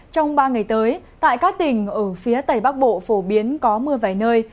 trong ba ngày tới tại các tỉnh ở phía tây bắc bộ phổ biến có mưa vài nơi